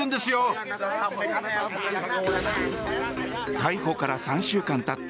逮捕から３週間たった